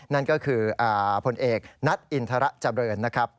นั่นก็คือผลเอกนัทอินทรเจริญนะครับ